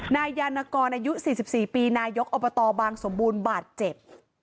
นายยานกรอายุ๔๔ปีนายกอบตบางสมบูรณ์บาดเจ็บ